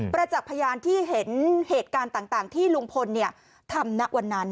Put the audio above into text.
ประจักษ์พยานที่เห็นเหตุการณ์ต่างที่ลุงพลทำณวันนั้น